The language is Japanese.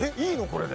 これで。